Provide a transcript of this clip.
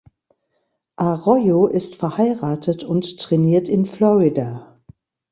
Arroyo ist verheiratet und trainiert in Florida.